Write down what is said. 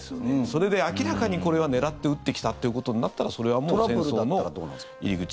それで明らかにこれは狙って撃ってきたっていうことになったらそれはもう戦争の入り口。